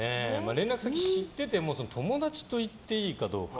連絡先知ってても友達と言っていいかどうか。